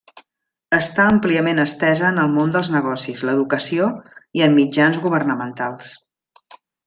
Està àmpliament estesa en el món dels negocis, l'educació i en mitjans governamentals.